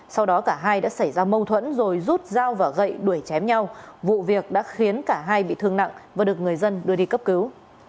sau đó cả hai đã xảy ra mâu thuẫn rồi rút dao và gậy đuổi chém nhau vụ việc đã khiến cả hai bị thương nặng và được người dân đưa đi cấp cứu